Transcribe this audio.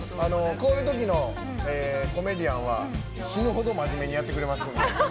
こういうときのコメディアンは死ぬほど真面目にやってくれますんで。